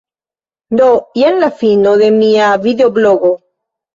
Do, jen la fino de mia videoblogo.